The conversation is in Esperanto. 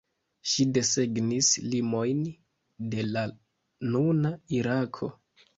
Ŝi desegnis limojn de la nuna Irako.